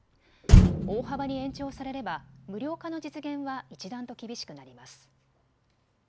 大幅に延長されれば無料化の実現は一段と厳しくなります。